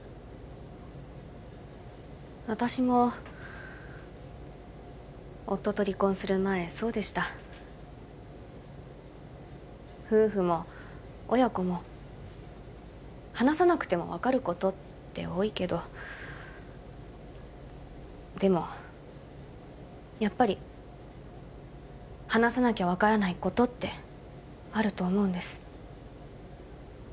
私も夫と離婚する前そうでした夫婦も親子も話さなくても分かることって多いけどでもやっぱり話さなきゃ分からないことってあると思うんです